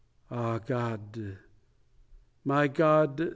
. Ah, God! My God!